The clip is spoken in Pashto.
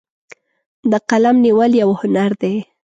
د قلم نیول یو هنر دی.